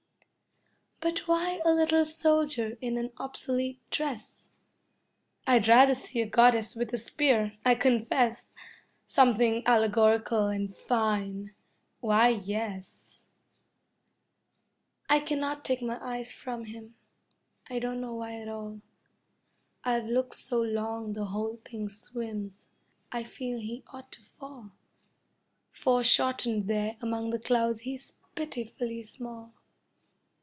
But why a little soldier in an obsolete dress? I'd rather see a Goddess with a spear, I confess. Something allegorical and fine. Why, yes I cannot take my eyes from him. I don't know why at all. I've looked so long the whole thing swims. I feel he ought to fall. Foreshortened there among the clouds he's pitifully small.